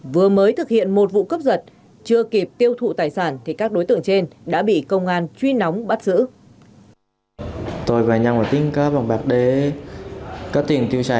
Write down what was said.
vừa mới thực hiện một vụ cướp giật chưa kịp tiêu thụ tài sản thì các đối tượng trên đã bị công an truy nóng bắt giữ